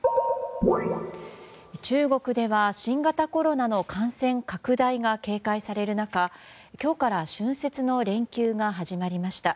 中国では新型コロナの感染拡大が警戒される中今日から春節の連休が始まりました。